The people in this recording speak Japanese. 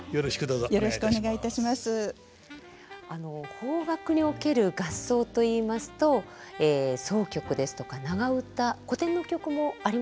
邦楽における合奏といいますと箏曲ですとか長唄古典の曲もありますよね？